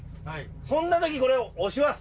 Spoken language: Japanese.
そんなときこれを押します！